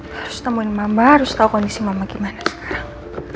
harus temuin mama harus tahu kondisi mama gimana sekarang